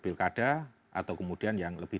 pilkada atau kemudian yang lebih